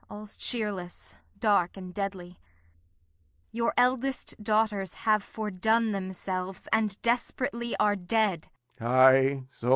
All's cheerless, dark, and deadly. Your eldest daughters have fordone themselves, And desperately are dead.